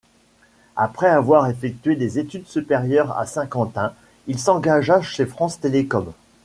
Après avoir effectué des études supérieures à Saint-Quentin, il s'engagea chez France Telecom.